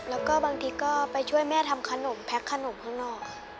แล้วก็บางทีก็ไปช่วยแม่ทำขนมแพ็กขนมข้างนอกค่ะ